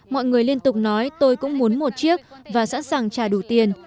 mọi người liên tục nói tôi cũng muốn một chiếc và sẵn sàng trả đủ tiền